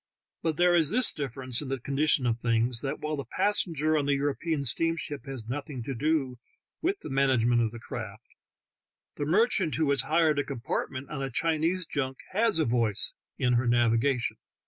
But there is this difference in the condition of things, that while the passenger on the European steam ship has nothing to do with the management of the craft, the merchant who has hired a compart ment on a Chinese junk has a voice in her naviga tion.